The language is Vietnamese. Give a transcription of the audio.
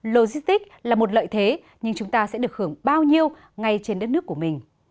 logistics là một lợi thế nhưng chúng ta sẽ được hưởng bao nhiêu ngay trên đất nước của mình